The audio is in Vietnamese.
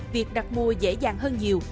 việc đặt mua dễ dàng và dễ dàng